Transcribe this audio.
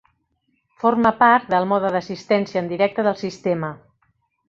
Forma part del mode d'assistència en directe del sistema.